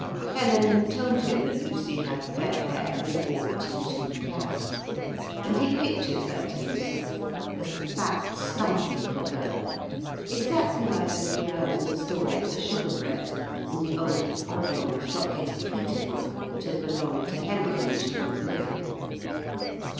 Helen had told him that Lucy had fair hair and wore it in two plaits; and he pictured her to himself as a fat, stumpy little girl, exactly like the little girl in the story of 'The Sugar Bread' in the old oblong 'Shock Headed Peter' book that had belonged to Helen when she was little.